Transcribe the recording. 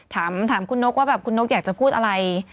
ถามคุณนกว่าแบบคุณนกอยากจะพูดอะไร